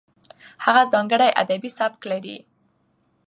هغه ځانګړی ادبي سبک لري.